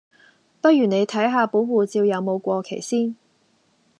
不如你睇下本護照有冇過期先